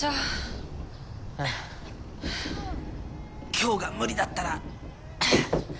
今日が無理だったらんっ